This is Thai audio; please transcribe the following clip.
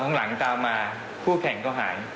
หลังตามมาคู่แข่งก็หาย